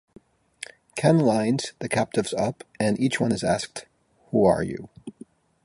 Ken lines the captives up and each one is asked, Who are you?